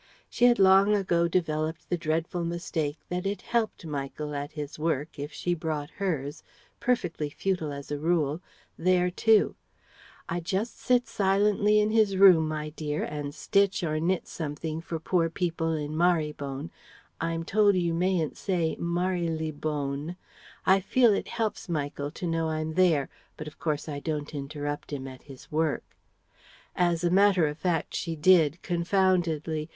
She had long ago developed the dreadful mistake that it "helped" Michael at his work if she brought hers (perfectly futile as a rule) there too. "I just sit silently in his room, my dear, and stitch or knit something for poor people in Marrybone I'm told you mayn't say Mary le bone. I feel it helps Michael to know I'm there, but of course I don't interrupt him at his work." As a matter of fact she did, confoundedly.